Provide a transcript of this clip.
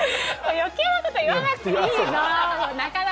余計なこと言わなくていいの！